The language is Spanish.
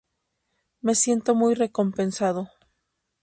Me siento muy recompensado.